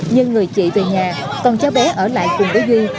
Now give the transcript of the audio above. nhưng người chị về nhà còn cháu bé ở lại cùng với duy